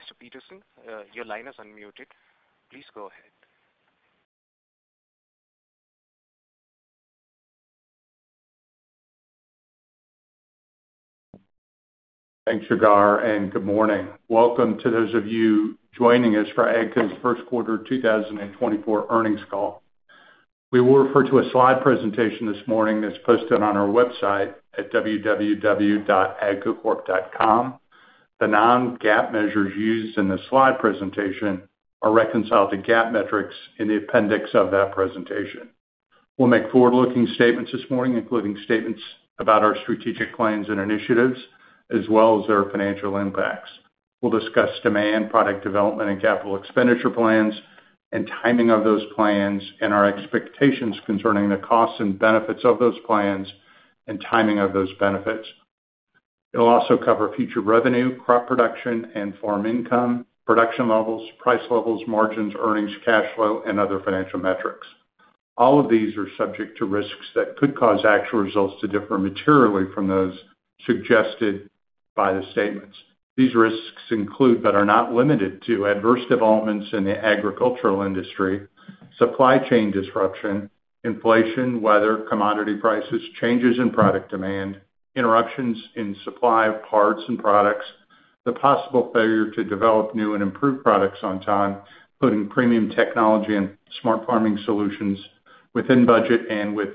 Mr. Peterson, your line is unmuted. Please go ahead. Thanks, Sagar, and good morning. Welcome to those of you joining us for AGCO's first quarter, 2024 earnings call. We will refer to a slide presentation this morning that's posted on our website at www.agcocorp.com. The non-GAAP measures used in the slide presentation are reconciled to GAAP metrics in the appendix of that presentation. We'll make forward-looking statements this morning, including statements about our strategic plans and initiatives, as well as their financial impacts. We'll discuss demand, product development, and capital expenditure plans, and timing of those plans, and our expectations concerning the costs and benefits of those plans, and timing of those benefits. It'll also cover future revenue, crop production, and farm income, production levels, price levels, margins, earnings, cash flow, and other financial metrics. All of these are subject to risks that could cause actual results to differ materially from those suggested by the statements. These risks include, but are not limited to, adverse developments in the agricultural industry, supply chain disruption, inflation, weather, commodity prices, changes in product demand, interruptions in supply of parts and products, the possible failure to develop new and improved products on time, including premium technology and smart farming solutions within budget and with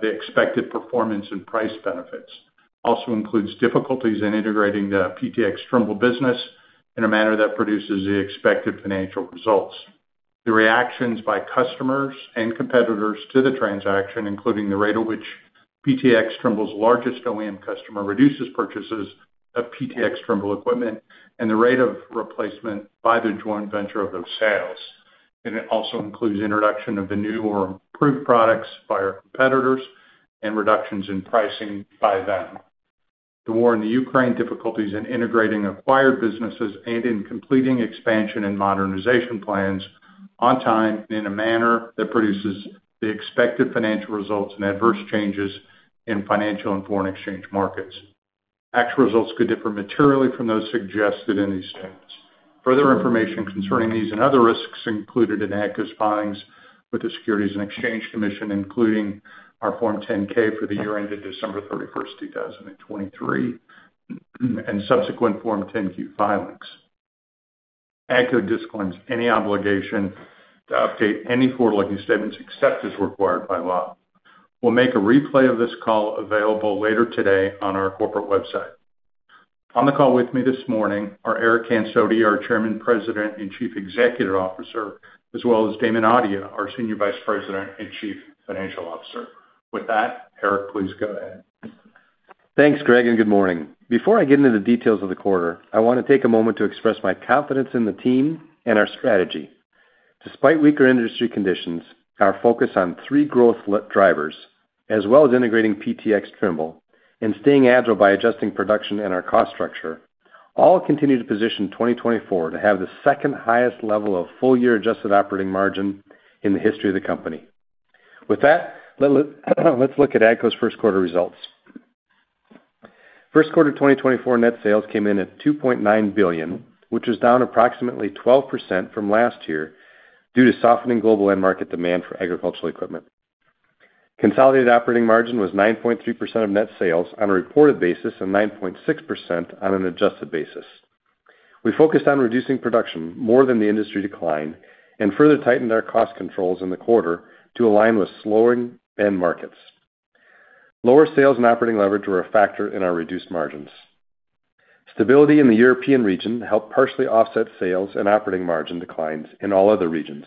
the expected performance and price benefits. Also includes difficulties in integrating the PTx Trimble business in a manner that produces the expected financial results. The reactions by customers and competitors to the transaction, including the rate at which PTx Trimble's largest OEM customer reduces purchases of PTx Trimble equipment, and the rate of replacement by the joint venture of those sales. And it also includes introduction of the new or improved products by our competitors and reductions in pricing by them. The war in Ukraine, difficulties in integrating acquired businesses and in completing expansion and modernization plans on time, in a manner that produces the expected financial results and adverse changes in financial and foreign exchange markets. Actual results could differ materially from those suggested in these statements. Further information concerning these and other risks included in AGCO's filings with the Securities and Exchange Commission, including our Form 10-K for the year ended December 31, 2023, and subsequent Form 10-K filings. AGCO disclaims any obligation to update any forward-looking statements except as required by law. We'll make a replay of this call available later today on our corporate website. On the call with me this morning are Eric Hansotia, our Chairman, President, and Chief Executive Officer, as well as Damon Audia, our Senior Vice President and Chief Financial Officer. With that, Eric, please go ahead. Thanks, Greg, and good morning. Before I get into the details of the quarter, I want to take a moment to express my confidence in the team and our strategy. Despite weaker industry conditions, our focus on three growth lit drivers, as well as integrating PTx Trimble and staying agile by adjusting production and our cost structure, all continue to position 2024 to have the second-highest level of full-year adjusted operating margin in the history of the company. With that, let's look at AGCO's first quarter results. First quarter 2024 net sales came in at $2.9 billion, which is down approximately 12% from last year due to softening global end market demand for agricultural equipment. Consolidated operating margin was 9.3% of net sales on a reported basis and 9.6% on an adjusted basis. We focused on reducing production more than the industry decline and further tightened our cost controls in the quarter to align with slowing end markets. Lower sales and operating leverage were a factor in our reduced margins. Stability in the European region helped partially offset sales and operating margin declines in all other regions.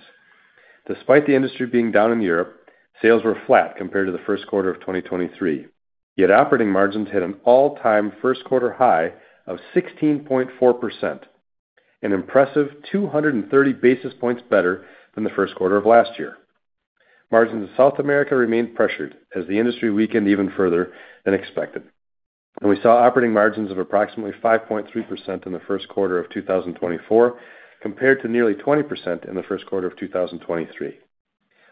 Despite the industry being down in Europe, sales were flat compared to the first quarter of 2023, yet operating margins hit an all-time first quarter high of 16.4%, an impressive 230 basis points better than the first quarter of last year. Margins in South America remained pressured as the industry weakened even further than expected, and we saw operating margins of approximately 5.3% in the first quarter of 2024, compared to nearly 20% in the first quarter of 2023.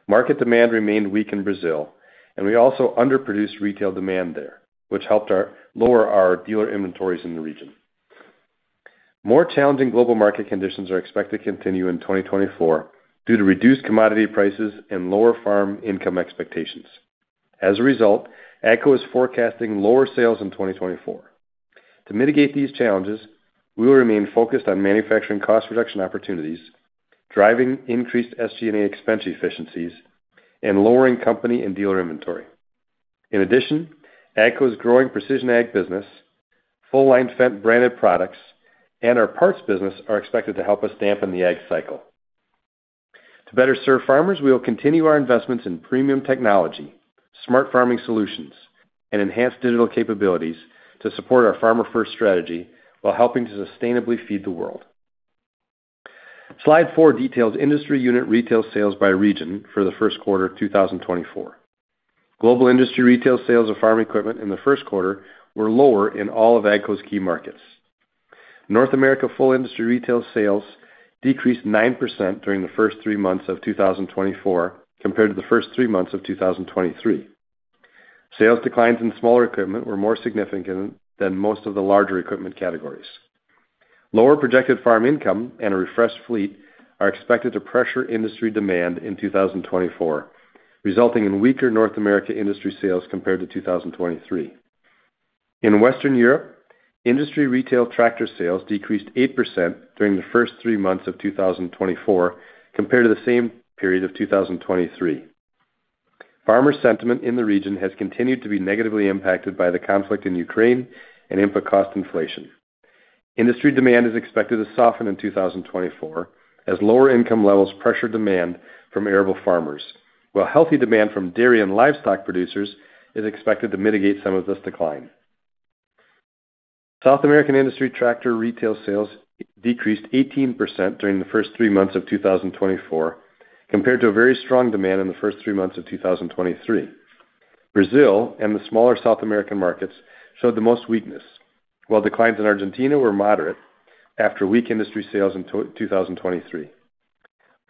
Market demand remained weak in Brazil, and we also underproduced retail demand there, which helped lower our dealer inventories in the region. More challenging global market conditions are expected to continue in 2024 due to reduced commodity prices and lower farm income expectations. As a result, AGCO is forecasting lower sales in 2024. To mitigate these challenges, we will remain focused on manufacturing cost reduction opportunities, driving increased SG&A expense efficiencies, and lowering company and dealer inventory. In addition, AGCO's growing precision ag business, full line Fendt branded products, and our parts business are expected to help us dampen the ag cycle. To better serve farmers, we will continue our investments in premium technology, smart farming solutions, and enhanced digital capabilities to support our farmer-first strategy, while helping to sustainably feed the world. Slide four details industry unit retail sales by region for the first quarter of 2024. Global industry retail sales of farm equipment in the first quarter were lower in all of AGCO's key markets. North America full industry retail sales decreased 9% during the first three months of 2024 compared to the first three months of 2023.... Sales declines in smaller equipment were more significant than most of the larger equipment categories. Lower projected farm income and a refreshed fleet are expected to pressure industry demand in 2024, resulting in weaker North America industry sales compared to 2023. In Western Europe, industry retail tractor sales decreased 8% during the first three months of 2024 compared to the same period of 2023. Farmer sentiment in the region has continued to be negatively impacted by the conflict in Ukraine and input cost inflation. Industry demand is expected to soften in 2024 as lower income levels pressure demand from arable farmers, while healthy demand from dairy and livestock producers is expected to mitigate some of this decline. South American industry tractor retail sales decreased 18% during the first three months of 2024, compared to a very strong demand in the first three months of 2023. Brazil and the smaller South American markets showed the most weakness, while declines in Argentina were moderate after weak industry sales in 2023.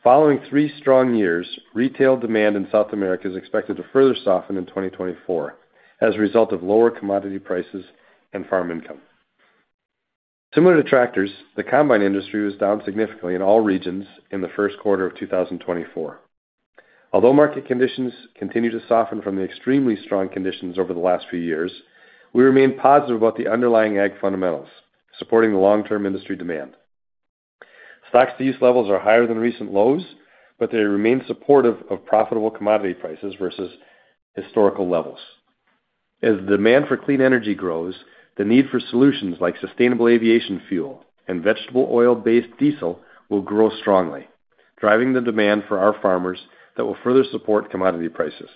Following three strong years, retail demand in South America is expected to further soften in 2024 as a result of lower commodity prices and farm income. Similar to tractors, the combine industry was down significantly in all regions in the first quarter of 2024. Although market conditions continue to soften from the extremely strong conditions over the last few years, we remain positive about the underlying ag fundamentals, supporting the long-term industry demand. Stocks-to-use levels are higher than recent lows, but they remain supportive of profitable commodity prices versus historical levels. As demand for clean energy grows, the need for solutions like sustainable aviation fuel and vegetable oil-based diesel will grow strongly, driving the demand for our farmers that will further support commodity prices.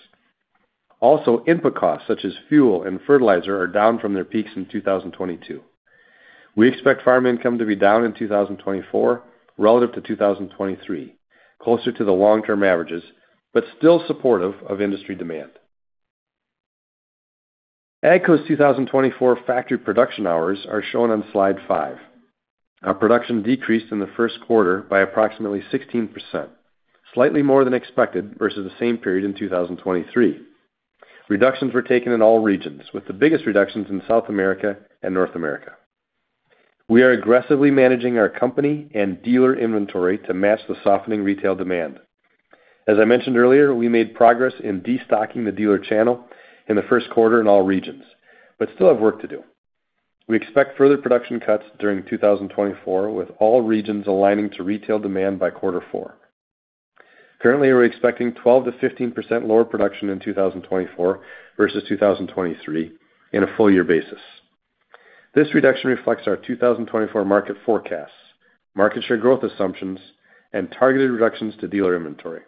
Also, input costs such as fuel and fertilizer are down from their peaks in 2022. We expect farm income to be down in 2024 relative to 2023, closer to the long-term averages, but still supportive of industry demand. AGCO's 2024 factory production hours are shown on slide five. Our production decreased in the first quarter by approximately 16%, slightly more than expected versus the same period in 2023. Reductions were taken in all regions, with the biggest reductions in South America and North America. We are aggressively managing our company and dealer inventory to match the softening retail demand. As I mentioned earlier, we made progress in destocking the dealer channel in the first quarter in all regions, but still have work to do. We expect further production cuts during 2024, with all regions aligning to retail demand by quarter four. Currently, we're expecting 12%-15% lower production in 2024 versus 2023 in a full year basis. This reduction reflects our 2024 market forecasts, market share growth assumptions, and targeted reductions to dealer inventory.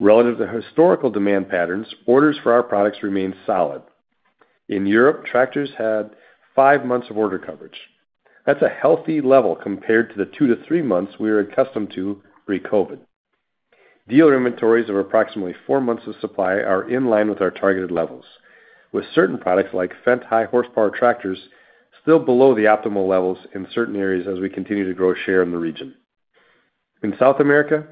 Relative to historical demand patterns, orders for our products remain solid. In Europe, tractors had five months of order coverage. That's a healthy level compared to the two to three months we are accustomed to pre-COVID. Dealer inventories of approximately four months of supply are in line with our targeted levels, with certain products like Fendt high horsepower tractors still below the optimal levels in certain areas as we continue to grow share in the region. In South America,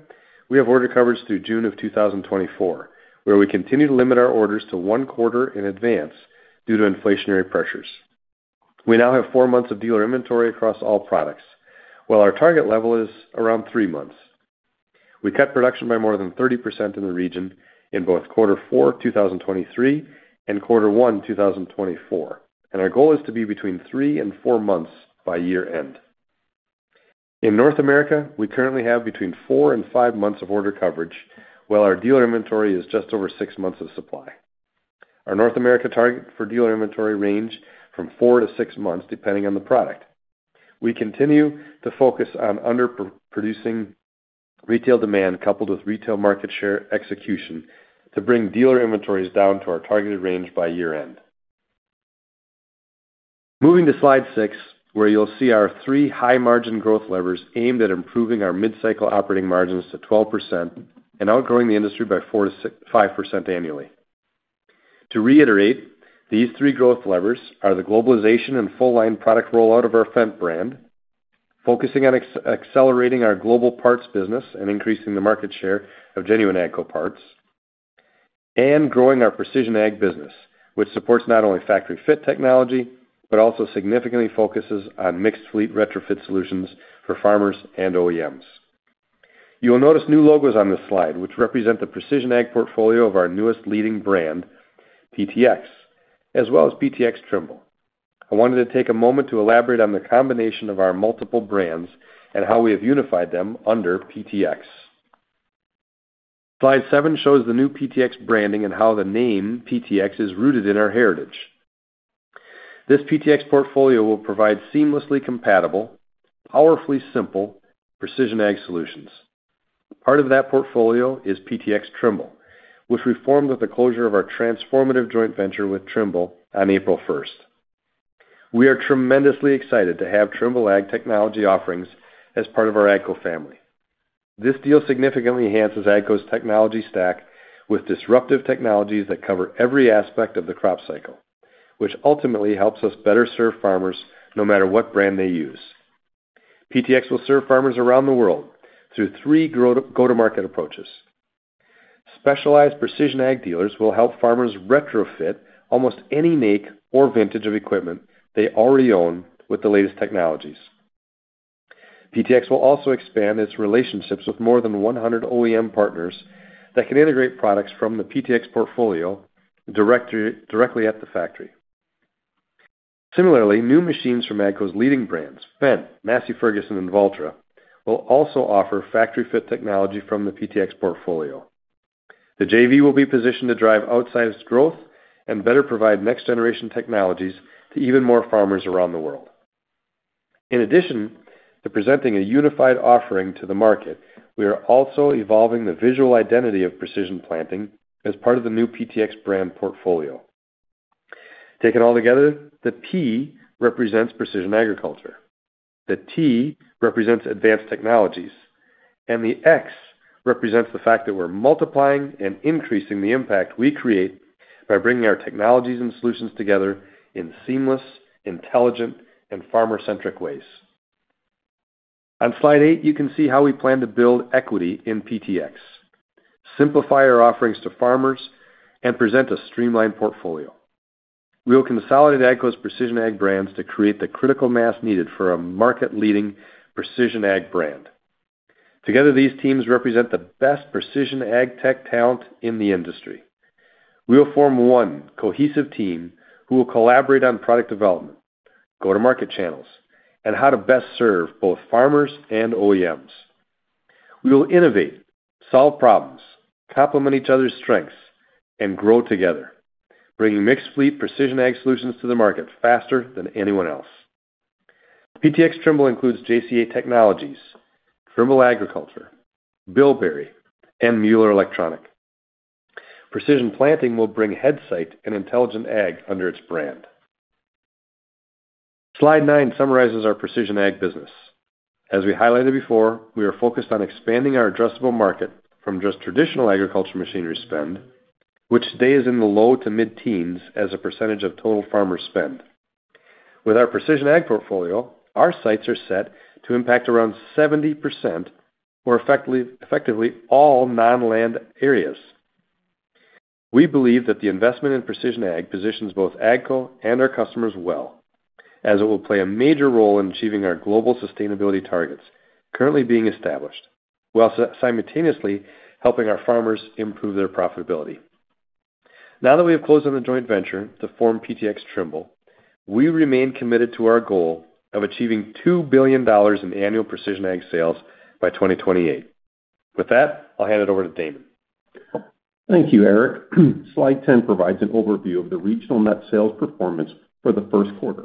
we have order coverage through June 2024, where we continue to limit our orders to one quarter in advance due to inflationary pressures. We now have four months of dealer inventory across all products, while our target level is around three months. We cut production by more than 30% in the region in both quarter four of 2023 and quarter one, 2024, and our goal is to be between three to four months by year end. In North America, we currently have between four to five months of order coverage, while our dealer inventory is just over six months of supply. Our North America target for dealer inventory range from four to six months, depending on the product. We continue to focus on underproducing retail demand, coupled with retail market share execution, to bring dealer inventories down to our targeted range by year end. Moving to slide six, where you'll see our three high margin growth levers aimed at improving our mid-cycle operating margins to 12% and outgrowing the industry by 4%-5% annually. To reiterate, these three growth levers are the globalization and full line product rollout of our Fendt brand, focusing on accelerating our global parts business and increasing the market share of genuine AGCO parts, and growing our precision ag business, which supports not only factory fit technology, but also significantly focuses on mixed fleet retrofit solutions for farmers and OEMs. You will notice new logos on this slide, which represent the precision ag portfolio of our newest leading brand, PTx, as well as PTx Trimble. I wanted to take a moment to elaborate on the combination of our multiple brands and how we have unified them under PTx. Slide seven shows the new PTx branding and how the name PTx is rooted in our heritage. This PTx portfolio will provide seamlessly compatible, powerfully simple precision ag solutions. Part of that portfolio is PTx Trimble, which we formed with the closure of our transformative joint venture with Trimble on April first. We are tremendously excited to have Trimble Ag technology offerings as part of our AGCO family. This deal significantly enhances AGCO's technology stack with disruptive technologies that cover every aspect of the crop cycle, which ultimately helps us better serve farmers no matter what brand they use... PTx will serve farmers around the world through three go-to-market approaches. Specialized precision ag dealers will help farmers retrofit almost any make or vintage of equipment they already own with the latest technologies. PTx will also expand its relationships with more than 100 OEM partners that can integrate products from the PTx portfolio directly at the factory. Similarly, new machines from AGCO's leading brands, Fendt, Massey Ferguson, and Valtra, will also offer factory-fit technology from the PTx portfolio. The JV will be positioned to drive outsized growth and better provide next-generation technologies to even more farmers around the world. In addition to presenting a unified offering to the market, we are also evolving the visual identity of precision planting as part of the new PTx brand portfolio. Taken altogether, the P represents precision agriculture, the T represents advanced technologies, and the X represents the fact that we're multiplying and increasing the impact we create by bringing our technologies and solutions together in seamless, intelligent, and farmer-centric ways. On slide eight, you can see how we plan to build equity in PTx, simplify our offerings to farmers, and present a streamlined portfolio. We'll consolidate AGCO's precision ag brands to create the critical mass needed for a market-leading precision ag brand. Together, these teams represent the best precision ag tech talent in the industry. We'll form one cohesive team who will collaborate on product development, go-to-market channels, and how to best serve both farmers and OEMs. We will innovate, solve problems, complement each other's strengths, and grow together, bringing mixed-fleet precision ag solutions to the market faster than anyone else. PTx Trimble includes JCA Technologies, Trimble Agriculture, Bilberry, and Müller-Elektronik. Precision Planting will bring Headsight and Intelligent Ag under its brand. Slide nine summarizes our precision ag business. As we highlighted before, we are focused on expanding our addressable market from just traditional agricultural machinery spend, which today is in the low- to mid-teens% of total farmer spend. With our precision ag portfolio, our sights are set to impact around 70% or effectively, effectively all non-land areas. We believe that the investment in precision ag positions both AGCO and our customers well, as it will play a major role in achieving our global sustainability targets currently being established, while simultaneously helping our farmers improve their profitability. Now that we have closed on the joint venture to form PTx Trimble, we remain committed to our goal of achieving $2 billion in annual precision ag sales by 2028. With that, I'll hand it over to Damon. Thank you, Eric. Slide 10 provides an overview of the regional net sales performance for the first quarter.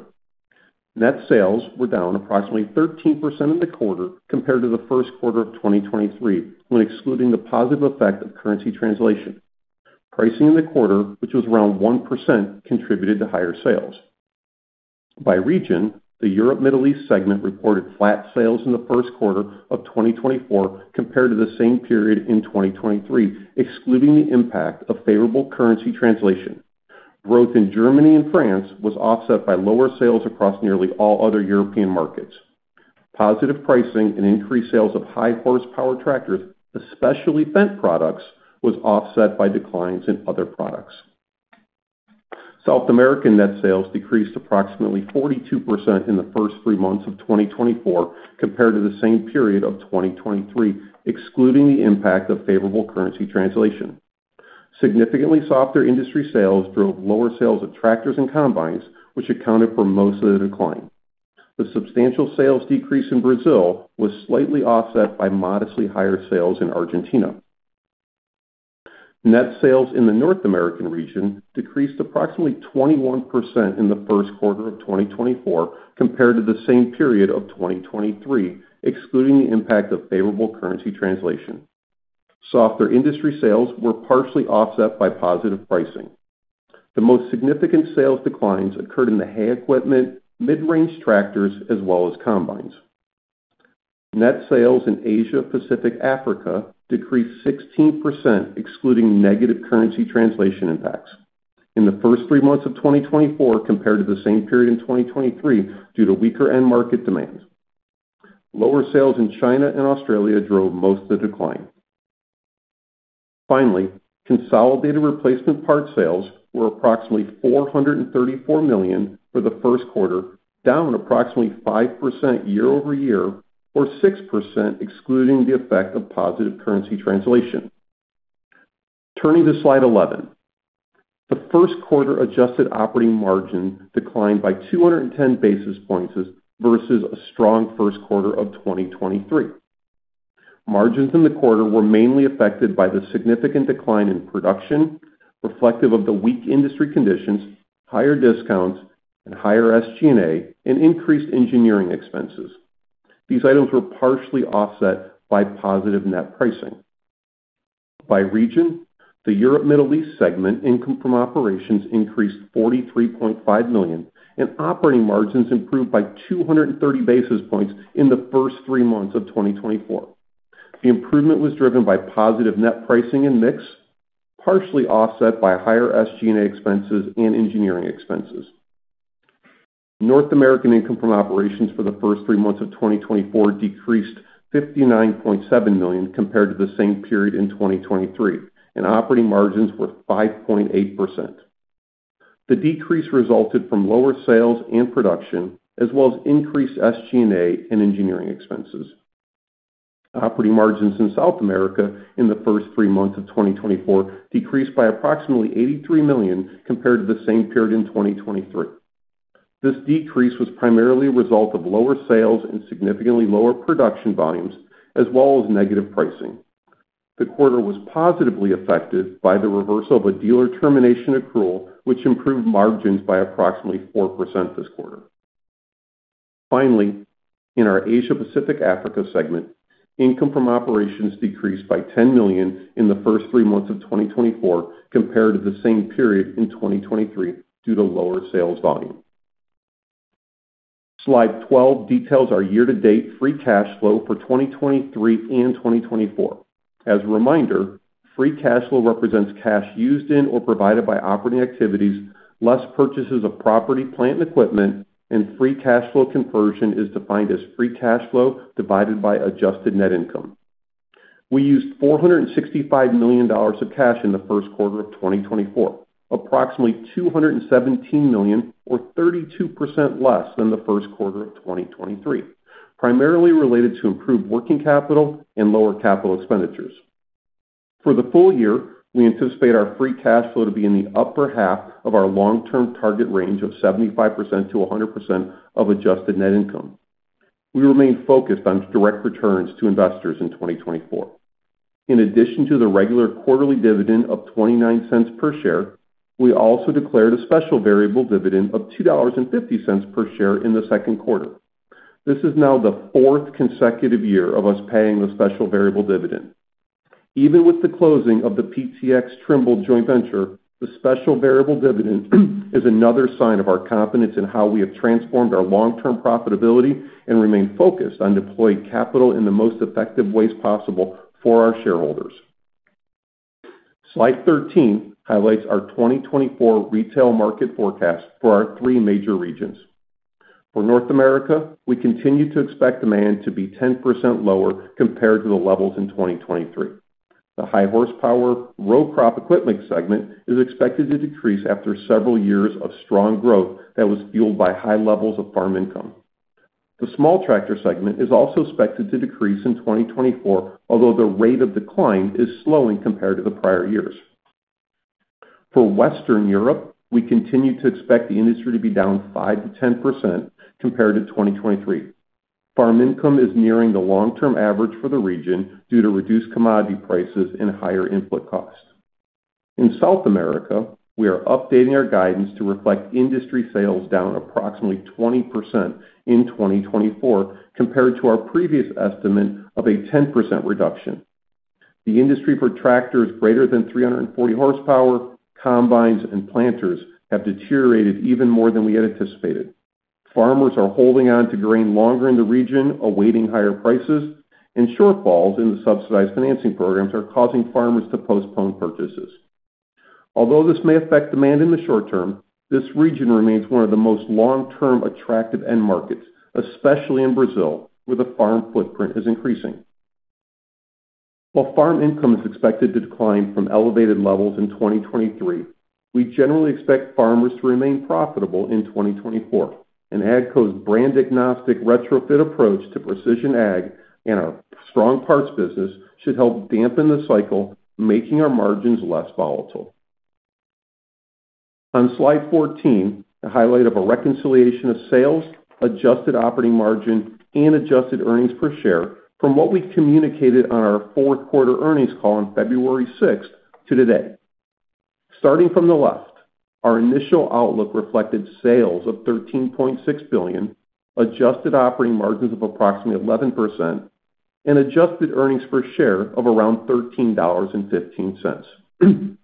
Net sales were down approximately 13% in the quarter compared to the first quarter of 2023, when excluding the positive effect of currency translation. Pricing in the quarter, which was around 1%, contributed to higher sales. By region, the Europe Middle East segment reported flat sales in the first quarter of 2024 compared to the same period in 2023, excluding the impact of favorable currency translation. Growth in Germany and France was offset by lower sales across nearly all other European markets. Positive pricing and increased sales of high horsepower tractors, especially Fendt products, was offset by declines in other products. South America net sales decreased approximately 42% in the first three months of 2024 compared to the same period of 2023, excluding the impact of favorable currency translation. Significantly softer industry sales drove lower sales of tractors and combines, which accounted for most of the decline. The substantial sales decrease in Brazil was slightly offset by modestly higher sales in Argentina. Net sales in the North America region decreased approximately 21% in the first quarter of 2024 compared to the same period of 2023, excluding the impact of favorable currency translation. Softer industry sales were partially offset by positive pricing. The most significant sales declines occurred in the hay equipment, mid-range tractors, as well as combines. Net sales in Asia, Pacific, Africa decreased 16%, excluding negative currency translation impacts in the first three months of 2024 compared to the same period in 2023, due to weaker end-market demand. Lower sales in China and Australia drove most of the decline. Finally, consolidated replacement parts sales were approximately $434 million for the first quarter, down approximately 5% year-over-year, or 6% excluding the effect of positive currency translation. Turning to Slide 11, the first quarter adjusted operating margin declined by 210 basis points versus a strong first quarter of 2023. Margins in the quarter were mainly affected by the significant decline in production, reflective of the weak industry conditions, higher discounts and higher SG&A, and increased engineering expenses. These items were partially offset by positive net pricing. By region, the Europe Middle East segment income from operations increased $43.5 million, and operating margins improved by 230 basis points in the first three months of 2024. The improvement was driven by positive net pricing and mix, partially offset by higher SG&A expenses and engineering expenses. North American income from operations for the first three months of 2024 decreased $59.7 million compared to the same period in 2023, and operating margins were 5.8%. The decrease resulted from lower sales and production, as well as increased SG&A and engineering expenses. Operating margins in South America in the first three months of 2024 decreased by approximately $83 million compared to the same period in 2023. This decrease was primarily a result of lower sales and significantly lower production volumes, as well as negative pricing. The quarter was positively affected by the reversal of a dealer termination accrual, which improved margins by approximately 4% this quarter. Finally, in our Asia Pacific Africa segment, income from operations decreased by $10 million in the first three months of 2024 compared to the same period in 2023 due to lower sales volume. Slide 12 details our year-to-date free cash flow for 2023 and 2024. As a reminder, free cash flow represents cash used in or provided by operating activities, less purchases of property, plant, and equipment, and free cash flow conversion is defined as free cash flow divided by adjusted net income. We used $465 million of cash in the first quarter of 2024, approximately $217 million, or 32% less than the first quarter of 2023, primarily related to improved working capital and lower capital expenditures. For the full year, we anticipate our free cash flow to be in the upper half of our long-term target range of 75%-100% of adjusted net income. We remain focused on direct returns to investors in 2024. In addition to the regular quarterly dividend of $0.29 per share, we also declared a special variable dividend of $2.50 per share in the second quarter. This is now the fourth consecutive year of us paying the special variable dividend. Even with the closing of the PTx Trimble joint venture, the special variable dividend is another sign of our confidence in how we have transformed our long-term profitability and remain focused on deploying capital in the most effective ways possible for our shareholders. Slide 13 highlights our 2024 retail market forecast for our three major regions. For North America, we continue to expect demand to be 10% lower compared to the levels in 2023. The high horsepower row crop equipment segment is expected to decrease after several years of strong growth that was fueled by high levels of farm income. The small tractor segment is also expected to decrease in 2024, although the rate of decline is slowing compared to the prior years. For Western Europe, we continue to expect the industry to be down 5%-10% compared to 2023. Farm income is nearing the long-term average for the region due to reduced commodity prices and higher input costs. In South America, we are updating our guidance to reflect industry sales down approximately 20% in 2024 compared to our previous estimate of a 10% reduction. The industry for tractors greater than 340 horsepower, combines, and planters have deteriorated even more than we had anticipated. Farmers are holding on to grain longer in the region, awaiting higher prices, and shortfalls in the subsidized financing programs are causing farmers to postpone purchases. Although this may affect demand in the short term, this region remains one of the most long-term attractive end markets, especially in Brazil, where the farm footprint is increasing. While farm income is expected to decline from elevated levels in 2023, we generally expect farmers to remain profitable in 2024, and AGCO's brand-agnostic retrofit approach to precision ag and our strong parts business should help dampen the cycle, making our margins less volatile. On Slide 14, a highlight of a reconciliation of sales, adjusted operating margin, and adjusted earnings per share from what we communicated on our fourth quarter earnings call on February 6th to today. Starting from the left, our initial outlook reflected sales of $13.6 billion, adjusted operating margins of approximately 11%, and adjusted earnings per share of around $13.15.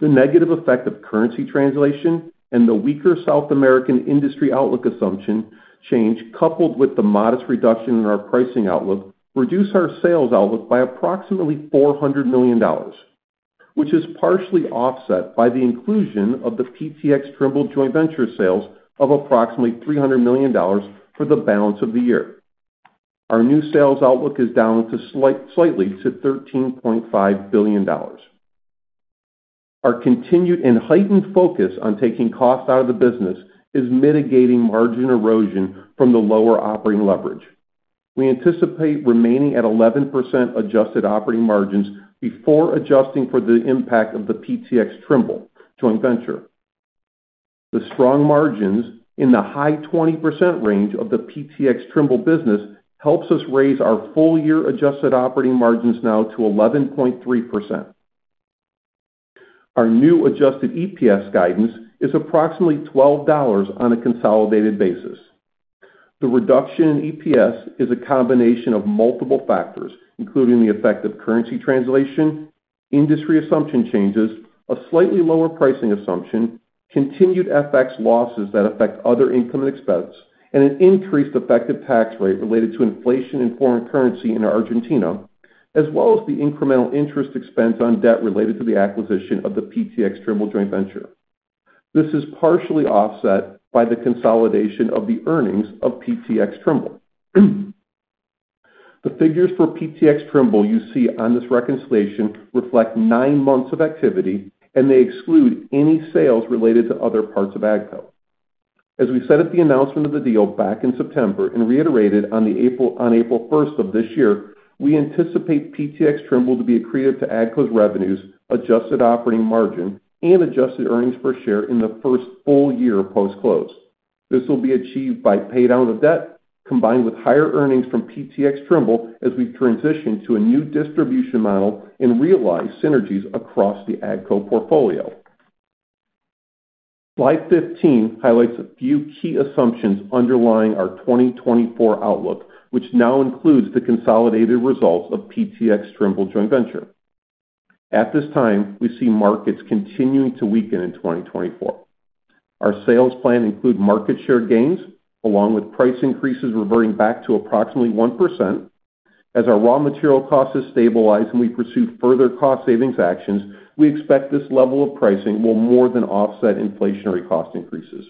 The negative effect of currency translation and the weaker South American industry outlook assumption change, coupled with the modest reduction in our pricing outlook, reduce our sales outlook by approximately $400 million, which is partially offset by the inclusion of the PTx Trimble joint venture sales of approximately $300 million for the balance of the year. Our new sales outlook is down slightly to $13.5 billion. Our continued and heightened focus on taking costs out of the business is mitigating margin erosion from the lower operating leverage. We anticipate remaining at 11% adjusted operating margins before adjusting for the impact of the PTx Trimble joint venture. The strong margins in the high 20% range of the PTx Trimble business helps us raise our full-year adjusted operating margins now to 11.3%. Our new adjusted EPS guidance is approximately $12 on a consolidated basis. The reduction in EPS is a combination of multiple factors, including the effect of currency translation, industry assumption changes, a slightly lower pricing assumption, continued FX losses that affect other income and expense, and an increased effective tax rate related to inflation in foreign currency in Argentina, as well as the incremental interest expense on debt related to the acquisition of the PTx Trimble joint venture. This is partially offset by the consolidation of the earnings of PTx Trimble. The figures for PTx Trimble you see on this reconciliation reflect nine months of activity, and they exclude any sales related to other parts of AGCO. As we said at the announcement of the deal back in September and reiterated on the April, on April first of this year, we anticipate PTx Trimble to be accretive to AGCO's revenues, adjusted operating margin, and adjusted earnings per share in the first full year post-close. This will be achieved by pay down of debt, combined with higher earnings from PTx Trimble as we transition to a new distribution model and realize synergies across the AGCO portfolio. Slide 15 highlights a few key assumptions underlying our 2024 outlook, which now includes the consolidated results of PTx Trimble joint venture. At this time, we see markets continuing to weaken in 2024. Our sales plan include market share gains, along with price increases reverting back to approximately 1%. As our raw material costs have stabilized and we pursue further cost savings actions, we expect this level of pricing will more than offset inflationary cost increases.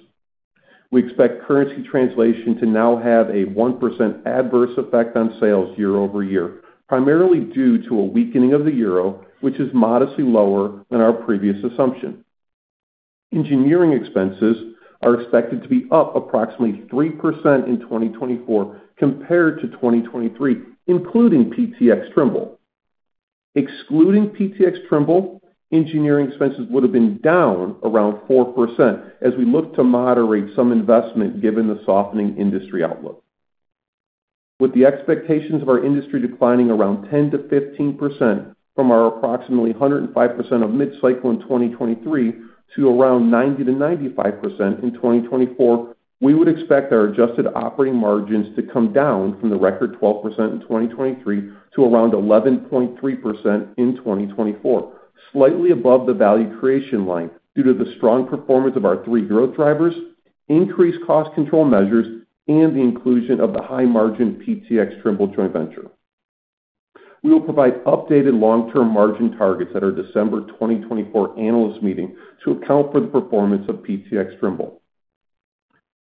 We expect currency translation to now have a 1% adverse effect on sales year-over-year, primarily due to a weakening of the euro, which is modestly lower than our previous assumption. Engineering expenses are expected to be up approximately 3% in 2024 compared to 2023, including PTx Trimble. Excluding PTx Trimble, engineering expenses would have been down around 4% as we look to moderate some investment given the softening industry outlook. With the expectations of our industry declining around 10%-15% from our approximately 105% of mid-cycle in 2023 to around 90%-95% in 2024, we would expect our adjusted operating margins to come down from the record 12% in 2023 to around 11.3% in 2024, slightly above the value creation line, due to the strong performance of our three growth drivers, increased cost control measures, and the inclusion of the high-margin PTx Trimble joint venture. We will provide updated long-term margin targets at our December 2024 analyst meeting to account for the performance of PTx Trimble.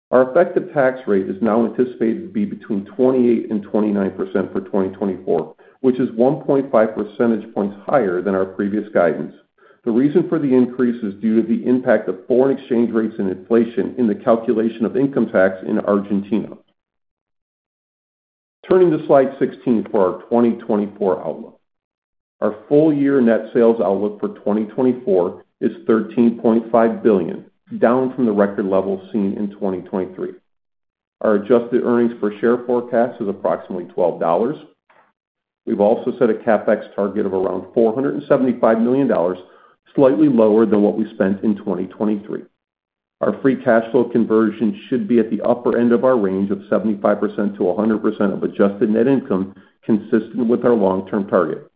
Our effective tax rate is now anticipated to be between 28%-29% for 2024, which is 1.5 percentage points higher than our previous guidance. The reason for the increase is due to the impact of foreign exchange rates and inflation in the calculation of income tax in Argentina. Turning to slide 16 for our 2024 outlook. Our full year net sales outlook for 2024 is $13.5 billion, down from the record level seen in 2023. Our adjusted earnings per share forecast is approximately $12. We've also set a CapEx target of around $475 million, slightly lower than what we spent in 2023. Our free cash flow conversion should be at the upper end of our range of 75%-100% of adjusted net income, consistent with our long-term target.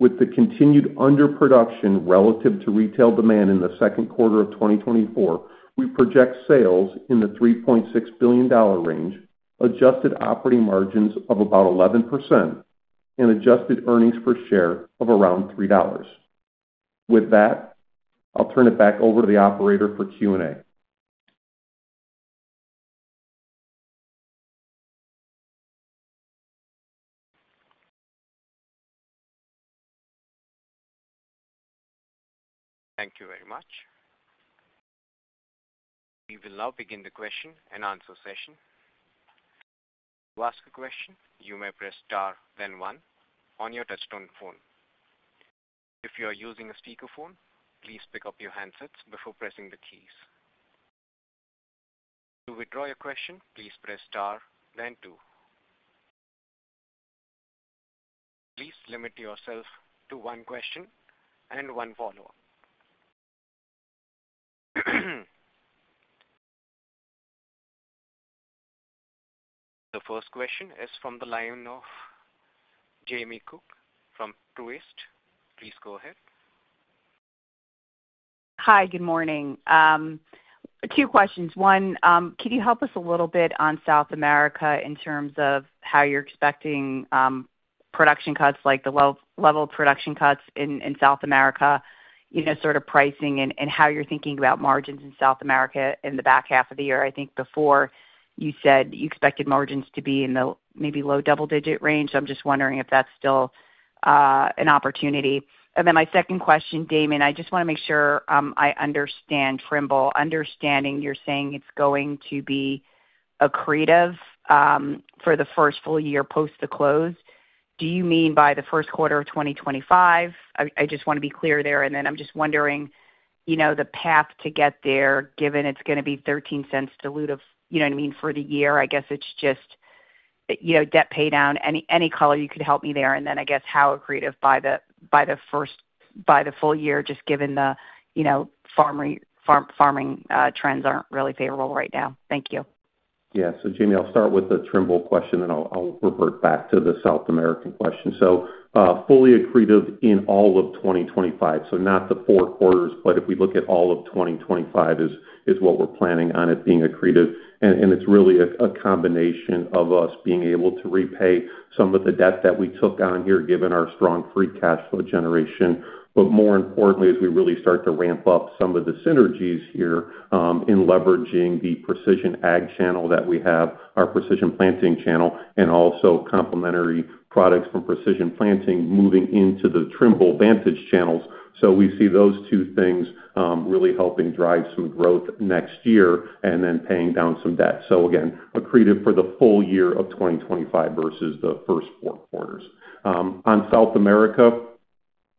With the continued underproduction relative to retail demand in the second quarter of 2024, we project sales in the $3.6 billion range, adjusted operating margins of about 11%, and adjusted earnings per share of around $3. With that, I'll turn it back over to the operator for Q&A. Thank you very much. We will now begin the question and answer session. To ask a question, you may press Star, then one on your touchtone phone. If you are using a speakerphone, please pick up your handsets before pressing the keys. To withdraw your question, please press Star then two. Please limit yourself to one question and one follow-up. The first question is from the line of Jamie Cook from Truist. Please go ahead. Hi, good morning. Two questions. One, can you help us a little bit on South America in terms of how you're expecting production cuts, like the low level production cuts in South America, you know, sort of pricing and how you're thinking about margins in South America in the back half of the year? I think before, you said you expected margins to be in the maybe low double-digit range. So I'm just wondering if that's still an opportunity. And then my second question, Damon, I just want to make sure I understand Trimble. Understanding you're saying it's going to be accretive for the first full year post the close. Do you mean by the first quarter of 2025? I just want to be clear there, and then I'm just wondering, you know, the path to get there, given it's going to be $0.13 dilutive, you know what I mean, for the year. I guess it's just, you know, debt paydown. Any color you could help me there, and then I guess how accretive by the full year, just given the, you know, farming trends aren't really favorable right now. Thank you.... Yeah. So Jamie, I'll start with the Trimble question, and I'll revert back to the South American question. So, fully accretive in all of 2025. So not the four quarters, but if we look at all of 2025, is what we're planning on it being accretive. And it's really a combination of us being able to repay some of the debt that we took on here, given our strong free cash flow generation. But more importantly, as we really start to ramp up some of the synergies here, in leveraging the Precision Ag channel that we have, our Precision Planting channel, and also complementary products from Precision Planting moving into the Trimble Vantage channels. So we see those two things really helping drive some growth next year and then paying down some debt. So again, accretive for the full year of 2025 versus the first four quarters. On South America,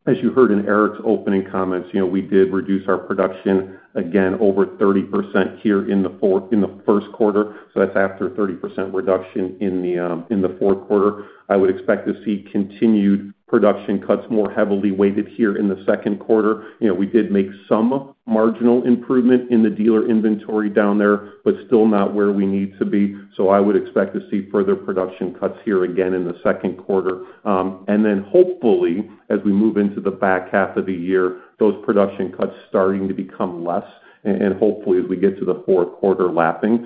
as you heard in Eric's opening comments, you know, we did reduce our production again over 30% here in the first quarter, so that's after a 30% reduction in the fourth quarter. I would expect to see continued production cuts more heavily weighted here in the second quarter. You know, we did make some marginal improvement in the dealer inventory down there, but still not where we need to be. So I would expect to see further production cuts here again in the second quarter. And then hopefully, as we move into the back half of the year, those production cuts starting to become less, and hopefully, as we get to the fourth quarter, lapping.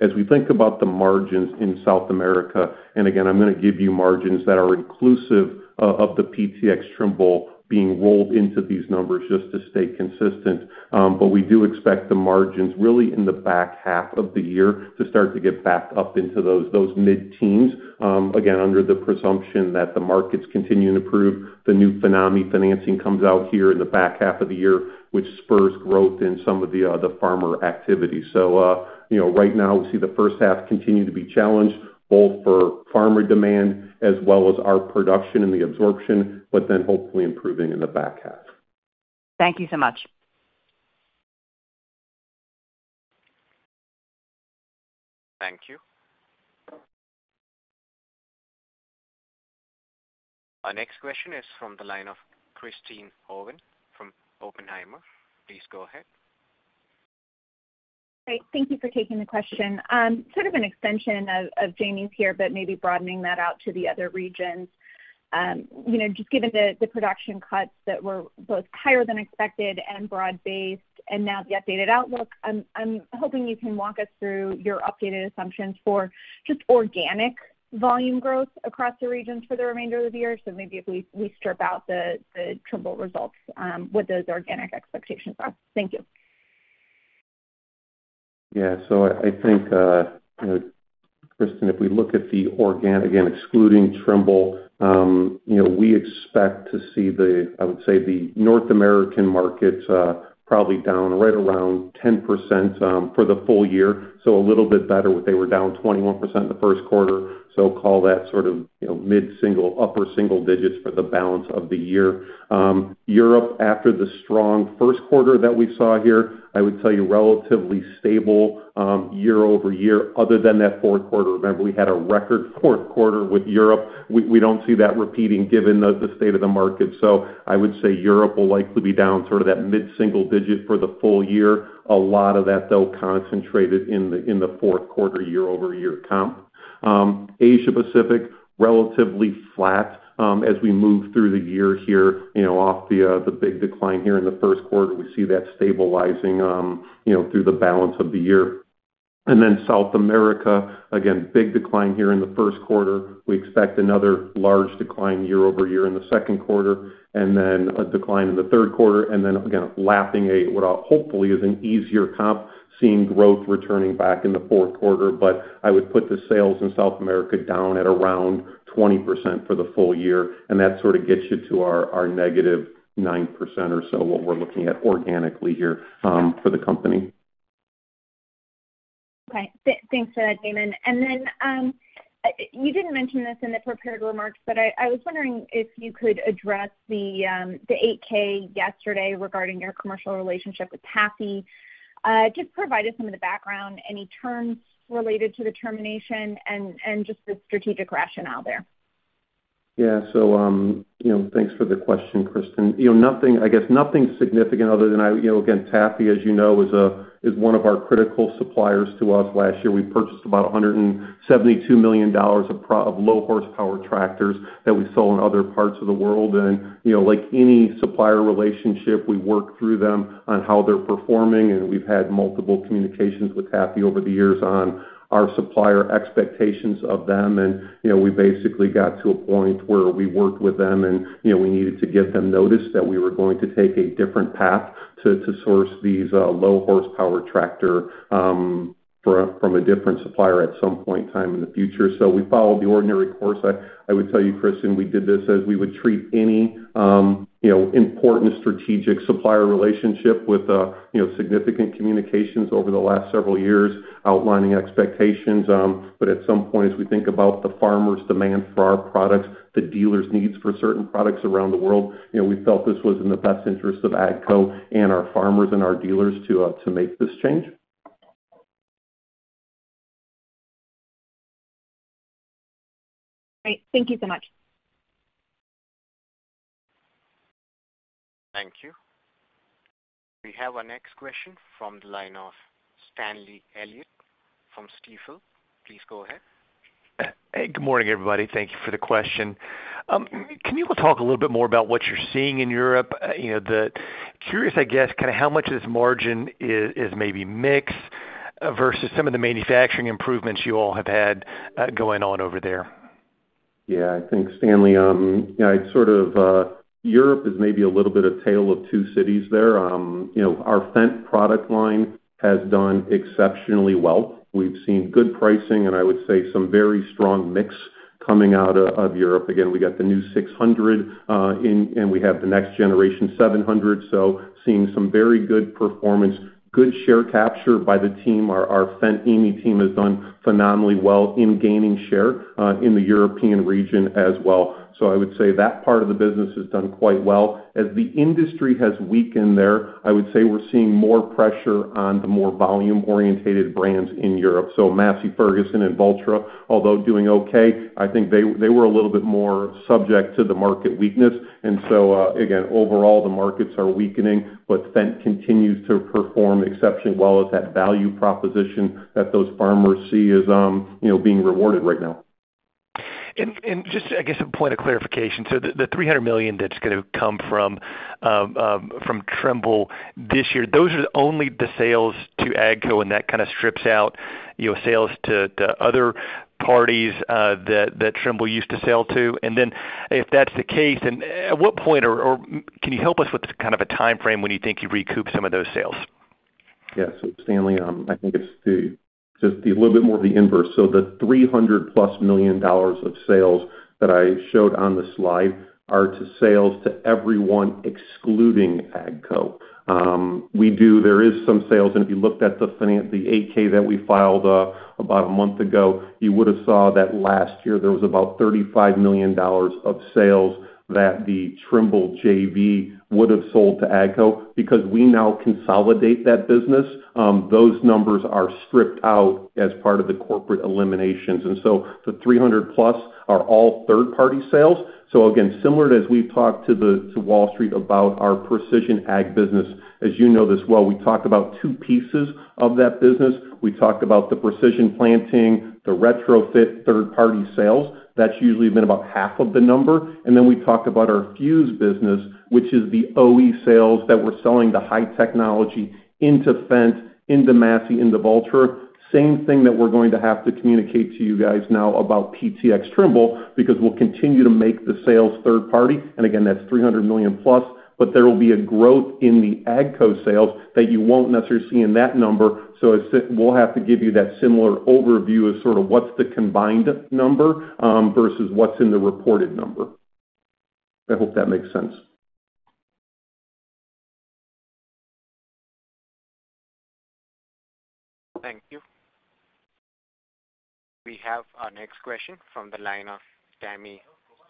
As we think about the margins in South America, and again, I'm gonna give you margins that are inclusive of the PTx Trimble being rolled into these numbers just to stay consistent. But we do expect the margins really in the back half of the year to start to get back up into those mid-teens. Again, under the presumption that the markets continue to improve, the new FINAME financing comes out here in the back half of the year, which spurs growth in some of the farmer activity. So, you know, right now, we see the first half continue to be challenged both for farmer demand as well as our production and the absorption, but then hopefully improving in the back half. Thank you so much. Thank you. Our next question is from the line of Kristen Owen from Oppenheimer. Please go ahead. Great, thank you for taking the question. Sort of an extension of Jamie's here, but maybe broadening that out to the other regions. You know, just given the production cuts that were both higher than expected and broad-based, and now the updated outlook, I'm hoping you can walk us through your updated assumptions for just organic volume growth across the regions for the remainder of the year. So maybe if we strip out the Trimble results, what those organic expectations are. Thank you. Yeah. So I, I think, you know, Kristin, if we look at the organic, again, excluding Trimble, you know, we expect to see the, I would say, the North American markets, probably down right around 10%, for the full year, so a little bit better. They were down 21% in the first quarter, so call that sort of, you know, mid-single, upper single digits for the balance of the year. Europe, after the strong first quarter that we saw here, I would tell you, relatively stable, year-over-year, other than that fourth quarter. Remember, we had a record fourth quarter with Europe. We, we don't see that repeating given the, the state of the market. So I would say Europe will likely be down sort of that mid-single digit for the full year. A lot of that, though, concentrated in the, in the fourth quarter, year-over-year comp. Asia Pacific, relatively flat. As we move through the year here, you know, off the, the big decline here in the first quarter, we see that stabilizing, you know, through the balance of the year. And then South America, again, big decline here in the first quarter. We expect another large decline year-over-year in the second quarter, and then a decline in the third quarter. And then again, lapping a, what hopefully is an easier comp, seeing growth returning back in the fourth quarter. But I would put the sales in South America down at around 20% for the full year, and that sort of gets you to our, our negative 9% or so, what we're looking at organically here, for the company. Okay. Thanks for that, Damon. And then, you didn't mention this in the prepared remarks, but I was wondering if you could address the 8-K yesterday regarding your commercial relationship with TAFE. Just provide some of the background, any terms related to the termination and just the strategic rationale there. Yeah. So, you know, thanks for the question, Kristin. You know, nothing. I guess, nothing significant other than I. You know, again, TAFE, as you know, is one of our critical suppliers to us. Last year, we purchased about $172 million of low horsepower tractors that we sold in other parts of the world. And, you know, like any supplier relationship, we work through them on how they're performing, and we've had multiple communications with TAFE over the years on our supplier expectations of them. And, you know, we basically got to a point where we worked with them and, you know, we needed to give them notice that we were going to take a different path to source these low horsepower tractor from a different supplier at some point in time in the future. So we followed the ordinary course. I would tell you, Kristin, we did this as we would treat any, you know, important strategic supplier relationship with, you know, significant communications over the last several years, outlining expectations. But at some point, as we think about the farmers' demand for our products, the dealers' needs for certain products around the world, you know, we felt this was in the best interest of AGCO and our farmers and our dealers to, to make this change. Great. Thank you so much. We have our next question from the line of Stanley Elliott from Stifel. Please go ahead. Hey, good morning, everybody. Thank you for the question. Can you talk a little bit more about what you're seeing in Europe? You know, curious, I guess, kind of how much of this margin is maybe mix versus some of the manufacturing improvements you all have had going on over there? Yeah, I think, Stanley, you know, it's sort of Europe is maybe a little bit a tale of two cities there. You know, our Fendt product line has done exceptionally well. We've seen good pricing, and I would say some very strong mix coming out of Europe. Again, we got the new 600 in, and we have the next generation 700, so seeing some very good performance, good share capture by the team. Our Fendt EMEA team has done phenomenally well in gaining share in the European region as well. So I would say that part of the business has done quite well. As the industry has weakened there, I would say we're seeing more pressure on the more volume-oriented brands in Europe. So Massey Ferguson and Valtra, although doing okay, I think they were a little bit more subject to the market weakness. And so, again, overall, the markets are weakening, but Fendt continues to perform exceptionally well as that value proposition that those farmers see is, you know, being rewarded right now. Just, I guess, a point of clarification. So the $300 million that's going to come from Trimble this year, those are only the sales to AGCO, and that kind of strips out, you know, sales to other parties that Trimble used to sell to. Then if that's the case, then at what point or can you help us with kind of a timeframe when you think you recoup some of those sales? Yeah. So Stanley, I think it's just the little bit more of the inverse. So the $300+ million of sales that I showed on the slide are to sales to everyone excluding AGCO. We do. There is some sales, and if you looked at the financials, the 8-K that we filed, about a month ago, you would have saw that last year there was about $35 million of sales that the Trimble JV would have sold to AGCO. Because we now consolidate that business, those numbers are stripped out as part of the corporate eliminations, and so the $300+ are all third-party sales. So again, similar to as we've talked to Wall Street about our precision ag business, as you know this well, we talk about two pieces of that business. We talk about the precision planting, the retrofit third-party sales. That's usually been about half of the number. And then we talk about our Fuse business, which is the OE sales that we're selling the high technology into Fendt, into Massey, into Valtra. Same thing that we're going to have to communicate to you guys now about PTx Trimble, because we'll continue to make the sales third party, and again, that's $300 million plus. But there will be a growth in the AGCO sales that you won't necessarily see in that number. So it's, we'll have to give you that similar overview of sort of what's the combined number versus what's in the reported number. I hope that makes sense. Thank you. We have our next question from the line of Tami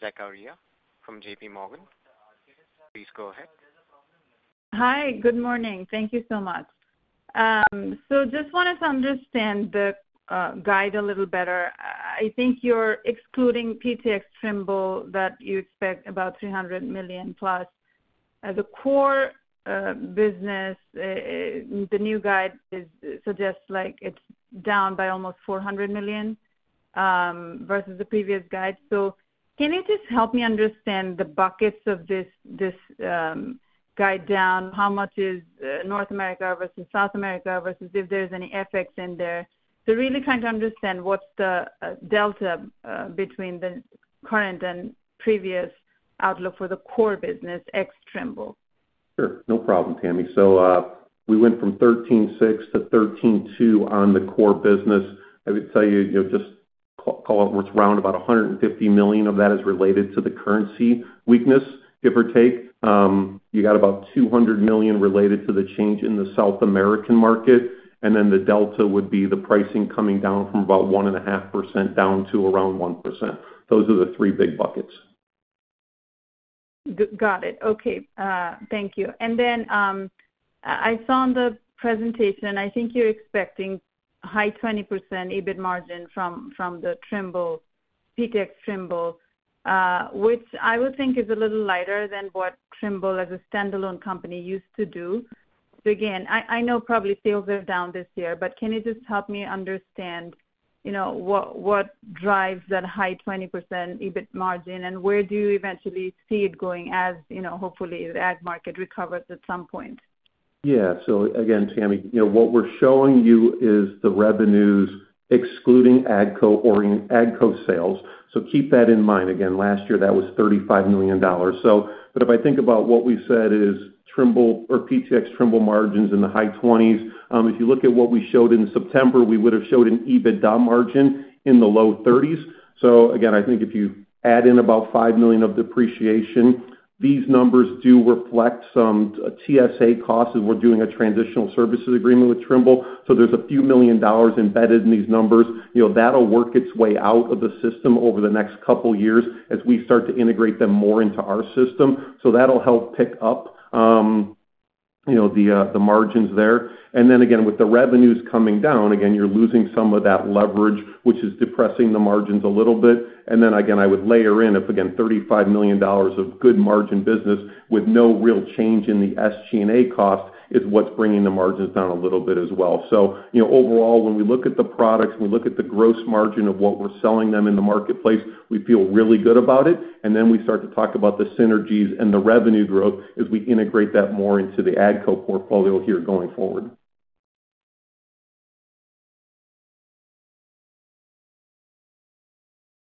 Zakaria from J.P. Morgan. Please go ahead. Hi, good morning. Thank you so much. So just wanted to understand the guide a little better. I think you're excluding PTx Trimble, that you expect about $300 million plus. As a core business, the new guide suggests like it's down by almost $400 million versus the previous guide. So can you just help me understand the buckets of this guide down? How much is North America versus South America versus if there's any effects in there? So really trying to understand what's the delta between the current and previous outlook for the core business ex Trimble. Sure. No problem, Tami. So, we went from 13.6 to 13.2 on the core business. I would tell you, you know, just call, call it what's around about $150 million of that is related to the currency weakness, give or take. You got about $200 million related to the change in the South American market, and then the delta would be the pricing coming down from about 1.5% down to around 1%. Those are the three big buckets. Got it. Okay, thank you. And then, I saw in the presentation, I think you're expecting high 20% EBIT margin from the Trimble, PTx Trimble, which I would think is a little lighter than what Trimble as a standalone company used to do. So again, I know probably sales are down this year, but can you just help me understand, you know, what drives that high 20% EBIT margin, and where do you eventually see it going, as, you know, hopefully, the ag market recovers at some point? Yeah. So again, Tami, you know, what we're showing you is the revenues excluding AGCO or AGCO sales. So keep that in mind. Again, last year, that was $35 million. So, but if I think about what we said is Trimble or PTx Trimble margins in the high 20s%. If you look at what we showed in September, we would have showed an EBITDA margin in the low 30s%. So again, I think if you add in about $5 million of depreciation, these numbers do reflect some TSA costs, as we're doing a transitional services agreement with Trimble. So there's a few million dollars embedded in these numbers. You know, that'll work its way out of the system over the next couple years as we start to integrate them more into our system. So that'll help pick up, you know, the margins there. And then again, with the revenues coming down, again, you're losing some of that leverage, which is depressing the margins a little bit. And then again, I would layer in, if again, $35 million of good margin business with no real change in the SG&A cost, is what's bringing the margins down a little bit as well. So you know, overall, when we look at the products, we look at the gross margin of what we're selling them in the marketplace, we feel really good about it. And then we start to talk about the synergies and the revenue growth as we integrate that more into the AGCO portfolio here going forward.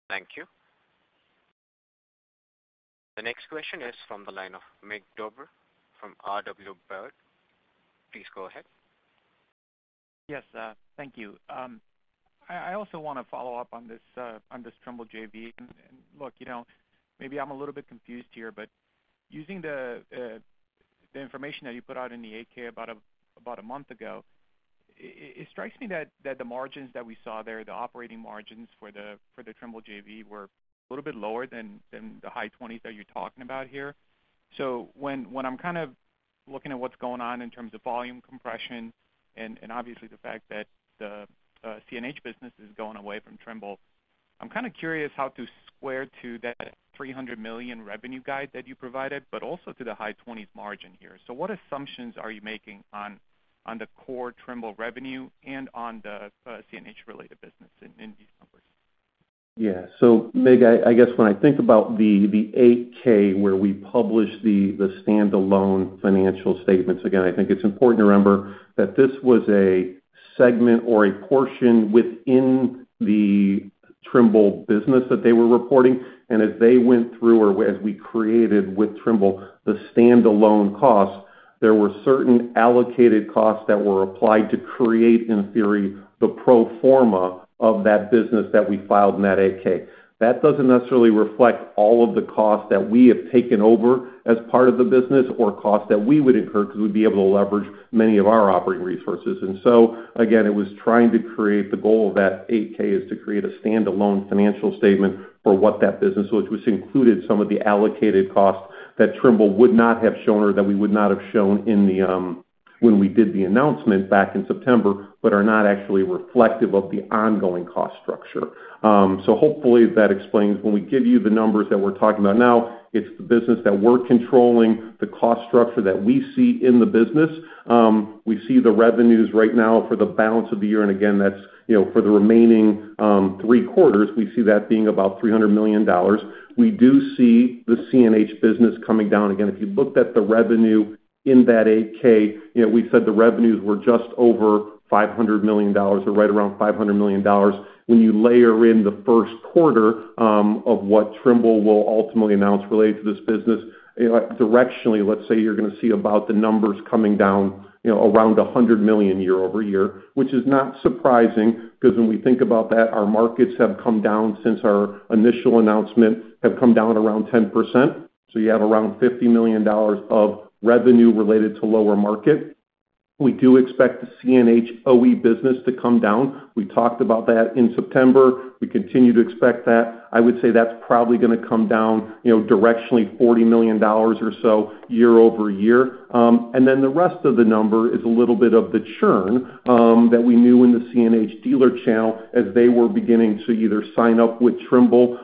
Thank you. The next question is from the line of Mircea Dobre from RW Baird. Please go ahead. Yes, thank you. I also wanna follow up on this Trimble JV. And look, you know, maybe I'm a little bit confused here, but using the information that you put out in the 8-K about a month ago, it strikes me that the margins that we saw there, the operating margins for the Trimble JV, were a little bit lower than the high twenties that you're talking about here. So when I'm kind of looking at what's going on in terms of volume compression, and obviously, the fact that the CNH business is going away from Trimble, I'm kind of curious how to square to that $300 million revenue guide that you provided, but also to the high twenties margin here. So what assumptions are you making on the core Trimble revenue and on the CNH-related business in these numbers? Yeah. So Mig, I guess when I think about the 8-K, where we published the standalone financial statements, again, I think it's important to remember that this was a segment or a portion within the Trimble business that they were reporting. And as they went through, or as we created with Trimble, the standalone costs, there were certain allocated costs that were applied to create, in theory, the pro forma of that business that we filed in that 8-K. That doesn't necessarily reflect all of the costs that we have taken over as part of the business or costs that we would incur, 'cause we'd be able to leverage many of our operating resources. So again, it was trying to create the goal of that 8-K is to create a standalone financial statement for what that business was, which included some of the allocated costs that Trimble would not have shown, or that we would not have shown in the when we did the announcement back in September, but are not actually reflective of the ongoing cost structure. So hopefully, that explains when we give you the numbers that we're talking about now, it's the business that we're controlling, the cost structure that we see in the business. We see the revenues right now for the balance of the year, and again, that's, you know, for the remaining three quarters, we see that being about $300 million. We do see the CNH business coming down. Again, if you looked at the revenue in that 8-K, you know, we said the revenues were just over $500 million, or right around $500 million. When you layer in the first quarter of what Trimble will ultimately announce related to this business, directionally, let's say you're gonna see about the numbers coming down, you know, around $100 million year over year, which is not surprising, 'cause when we think about that, our markets have come down since our initial announcement, have come down around 10%. So you have around $50 million of revenue related to lower market. We do expect the CNH OE business to come down. We talked about that in September. We continue to expect that. I would say that's probably gonna come down, you know, directionally, $40 million or so, year over year. And then the rest of the number is a little bit of the churn, that we knew in the CNH dealer channel as they were beginning to either sign up with Trimble,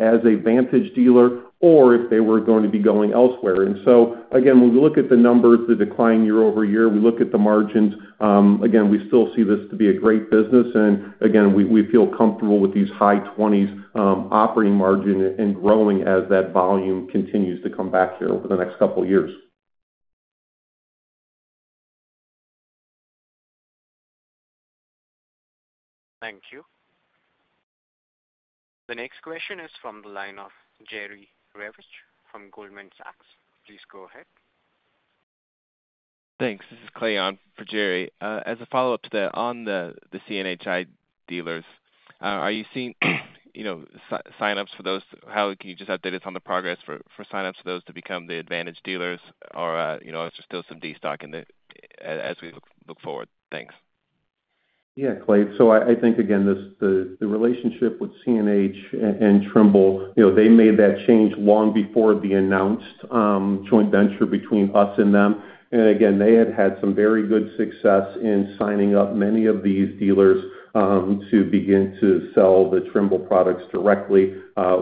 as a Vantage dealer or if they were going to be going elsewhere. And so again, when we look at the numbers, the decline year-over-year, we look at the margins, again, we still see this to be a great business. And again, we, we feel comfortable with these high twenties, operating margin and growing as that volume continues to come back here over the next couple of years. Thank you. The next question is from the line of Jerry Revich from Goldman Sachs. Please go ahead. Thanks. This is Clay on for Jerry. As a follow-up to that, on the CNHI dealers, are you seeing, you know, sign-ups for those? Can you just update us on the progress for sign-ups for those to become the Vantage dealers or, you know, is there still some destocking in the, as we look forward? Thanks. Yeah, Clay. So I think again, the relationship with CNH and Trimble, you know, they made that change long before the announced joint venture between us and them. And again, they had had some very good success in signing up many of these dealers to begin to sell the Trimble products directly.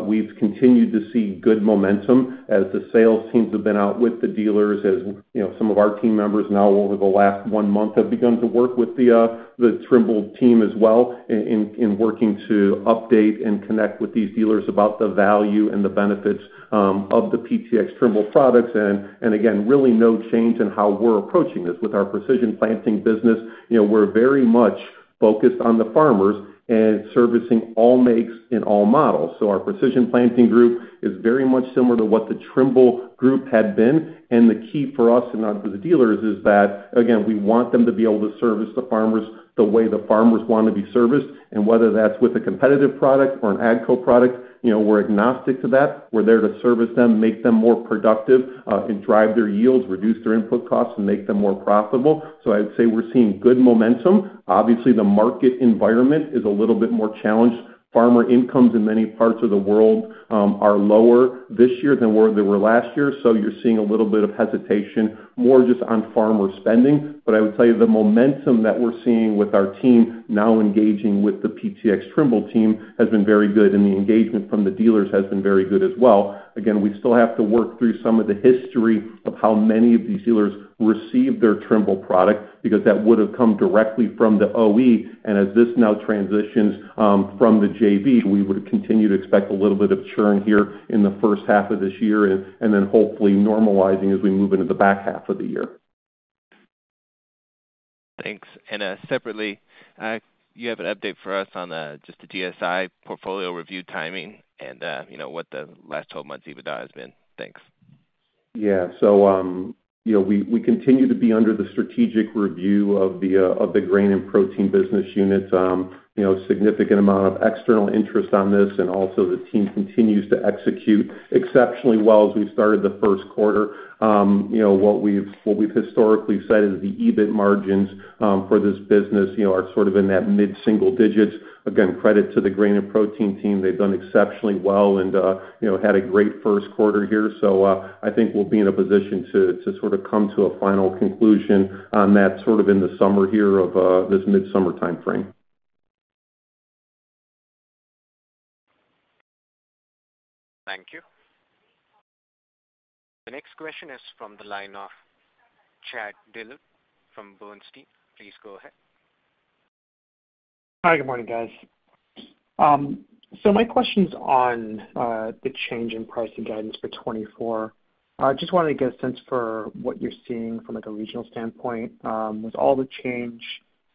We've continued to see good momentum as the sales teams have been out with the dealers. As you know, some of our team members now over the last one month have begun to work with the Trimble team as well in working to update and connect with these dealers about the value and the benefits of the PTx Trimble products. And again, really no change in how we're approaching this. With our Precision Planting business, you know, we're very much focused on the farmers and servicing all makes and all models. So our Precision Planting group is very much similar to what the Trimble group had been. And the key for us and not for the dealers, is that, again, we want them to be able to service the farmers the way the farmers want to be serviced, and whether that's with a competitive product or an AGCO product, you know, we're agnostic to that. We're there to service them, make them more productive, and drive their yields, reduce their input costs, and make them more profitable. So I'd say we're seeing good momentum. Obviously, the market environment is a little bit more challenged. Farmer incomes in many parts of the world, are lower this year than where they were last year, so you're seeing a little bit of hesitation, more just on farmer spending. But I would tell you, the momentum that we're seeing with our team now engaging with the PTx Trimble team, has been very good, and the engagement from the dealers has been very good as well. Again, we still have to work through some of the history of how many of these dealers received their Trimble product, because that would have come directly from the OEM. And as this now transitions, from the JV, we would continue to expect a little bit of churn here in the first half of this year, and, and then hopefully normalizing as we move into the back half of the year.... Thanks. And, separately, you have an update for us on just the GSI portfolio review timing and, you know, what the last 12 months EBITDA has been? Thanks. Yeah. So, you know, we continue to be under the strategic review of the Grain and Protein business unit. You know, significant amount of external interest on this, and also the team continues to execute exceptionally well as we started the first quarter. You know, what we've historically said is the EBIT margins for this business, you know, are sort of in that mid-single digits. Again, credit to the Grain and Protein team. They've done exceptionally well and, you know, had a great first quarter here. So, I think we'll be in a position to sort of come to a final conclusion on that sort of in the summer here of this mid-summer timeframe. Thank you. The next question is from the line of Chad Dillard from Bernstein. Please go ahead. Hi, good morning, guys. So my question's on the change in pricing guidance for 2024. I just wanted to get a sense for what you're seeing from, like, a regional standpoint. Was all the change,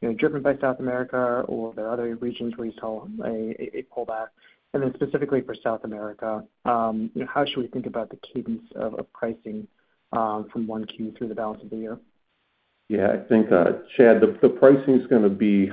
you know, driven by South America, or are there other regions where you saw a, a pullback? And then specifically for South America, you know, how should we think about the cadence of, of pricing, from Q1 through the balance of the year? Yeah, I think, Chad, the pricing is gonna be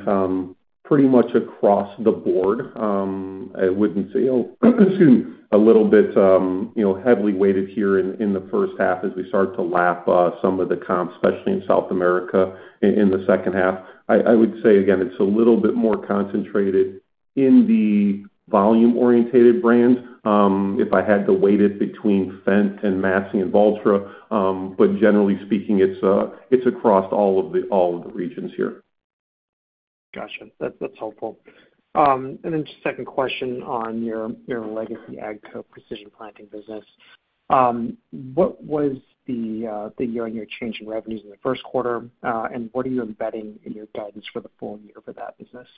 pretty much across the board. I wouldn't say, excuse me, a little bit, you know, heavily weighted here in the first half as we start to lap some of the comps, especially in South America in the second half. I would say again, it's a little bit more concentrated in the volume-orientated brands, if I had to weight it between Fendt and Massey and Valtra, but generally speaking, it's across all of the regions here. Gotcha. That's, that's helpful. And then just second question on your, your legacy AGCO Precision Planting business. What was the, the year-on-year change in revenues in the first quarter? And what are you embedding in your guidance for the full year for that business?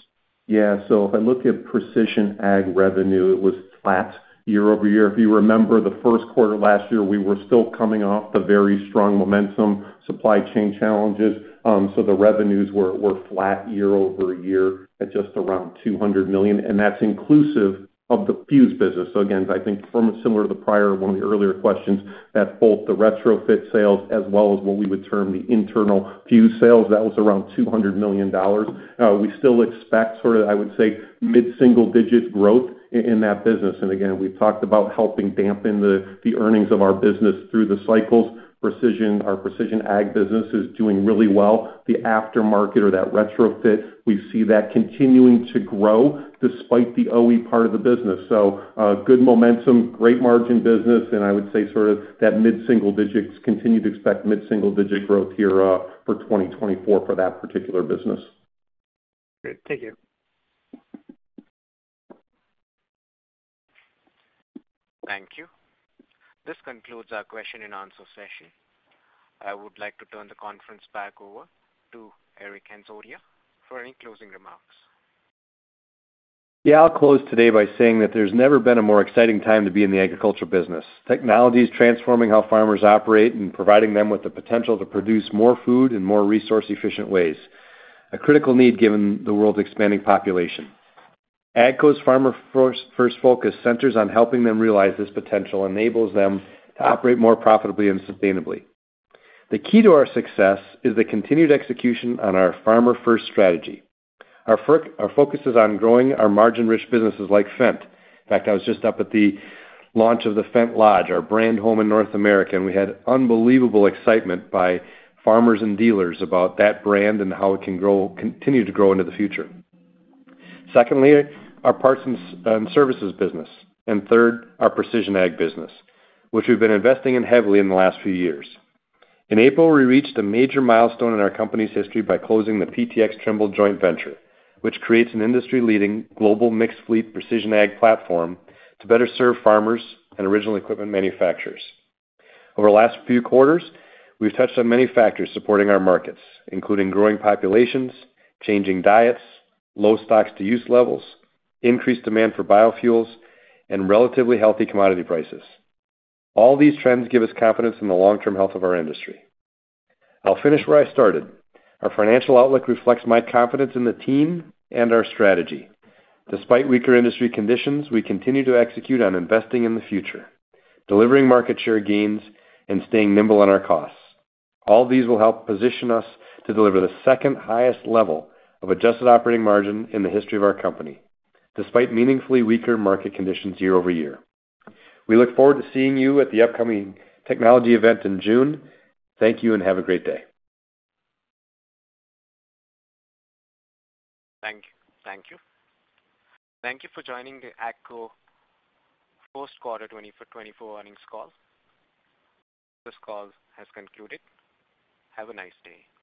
Yeah. So if I look at Precision Ag revenue, it was flat year-over-year. If you remember, the first quarter last year, we were still coming off the very strong momentum, supply chain challenges. So the revenues were flat year-over-year at just around $200 million, and that's inclusive of the Fuse business. So again, I think similar to the prior, one of the earlier questions, that both the retrofit sales as well as what we would term the internal Fuse sales, that was around $200 million. We still expect sort of, I would say, mid-single-digit growth in that business. And again, we've talked about helping dampen the earnings of our business through the cycles. Precision, our Precision Ag business is doing really well. The aftermarket or that retrofit, we see that continuing to grow despite the OE part of the business. So, good momentum, great margin business, and I would say sort of that mid-single digits, continue to expect mid-single-digit growth here, for 2024 for that particular business. Great. Thank you. Thank you. This concludes our question-and-answer session. I would like to turn the conference back over to Eric Hansotia for any closing remarks. Yeah, I'll close today by saying that there's never been a more exciting time to be in the agricultural business. Technology is transforming how farmers operate and providing them with the potential to produce more food in more resource-efficient ways, a critical need given the world's expanding population. AGCO's Farmer First focus centers on helping them realize this potential, enables them to operate more profitably and sustainably. The key to our success is the continued execution on our Farmer First strategy. Our focus is on growing our margin-rich businesses like Fendt. In fact, I was just up at the launch of the Fendt Lodge, our brand home in North America, and we had unbelievable excitement by farmers and dealers about that brand and how it can grow... continue to grow into the future. Secondly, our parts and services business, and third, our Precision Ag business, which we've been investing in heavily in the last few years. In April, we reached a major milestone in our company's history by closing the PTx Trimble joint venture, which creates an industry-leading global mixed fleet precision ag platform to better serve farmers and original equipment manufacturers. Over the last few quarters, we've touched on many factors supporting our markets, including growing populations, changing diets, low stocks-to-use levels, increased demand for biofuels, and relatively healthy commodity prices. All these trends give us confidence in the long-term health of our industry. I'll finish where I started. Our financial outlook reflects my confidence in the team and our strategy. Despite weaker industry conditions, we continue to execute on investing in the future, delivering market share gains, and staying nimble on our costs. All these will help position us to deliver the second highest level of adjusted operating marginn in the history of our company, despite meaningfully weaker market conditions year-over-year. We look forward to seeing you at the upcoming technology event in June. Thank you, and have a great day. Thank you. Thank you for joining the AGCO first quarter 2024 earnings call. This call has concluded. Have a nice day.